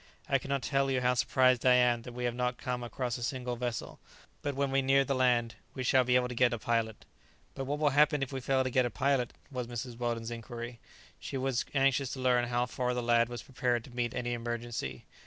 I cannot tell you how surprised I am that we have not come across a single vessel. But when we near the land we shall be able to get a pilot." "But what will happen if we fail to get a pilot?" was Mrs. Weldon's inquiry. She was anxious to learn how far the lad was prepared to meet any emergency.